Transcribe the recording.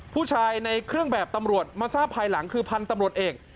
ผู้ชายในเครื่องแบบตำรวจมาทราบภายหลังคือพันธุ์ตำรวจเอก